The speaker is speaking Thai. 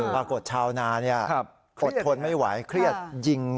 ปรากฏชาวนาเนี่ยอดทนไม่ไหวเครียดยิง